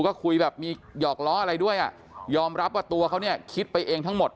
ก็คุยแบบมีหยอกล้ออะไรด้วยอ่ะยอมรับว่าตัวเขาเนี่ยคิดไปเองทั้งหมด